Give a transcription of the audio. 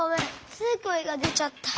ついこえがでちゃった。